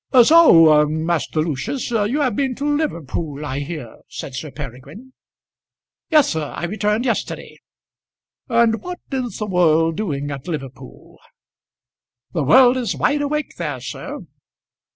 "So, Master Lucius, you have been to Liverpool, I hear," said Sir Peregrine. "Yes, sir I returned yesterday." "And what is the world doing at Liverpool?" "The world is wide awake there, sir."